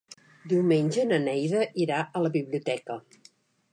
Diumenge na Neida irà a la biblioteca.